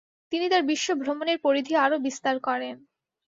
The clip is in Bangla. তিনি তার বিশ্ব ভ্রমণের পরিধি আরও বিস্তার করেন।